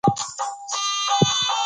قانون د اداري پرېکړو مشروعیت ټاکي.